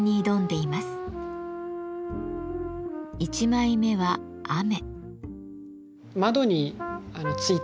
１枚目は「雨」。